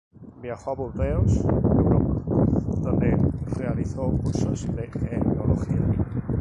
Viajó a Burdeos Europa, donde realizó cursos de enología.